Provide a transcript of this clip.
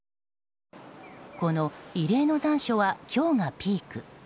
この異例の残暑は今日がピーク。